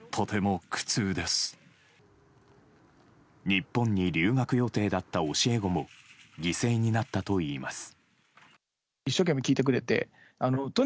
日本に留学予定だった教え子も犠牲になったといいます。